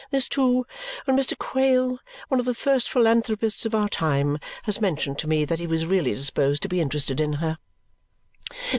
This, too, when Mr. Quale, one of the first philanthropists of our time, has mentioned to me that he was really disposed to be interested in her!"